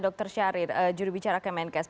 dokter syahrir juri bicara kemenkes